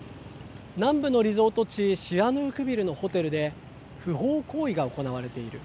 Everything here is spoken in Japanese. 南部のリゾート地、シアヌークビルのホテルで不法行為が行われている。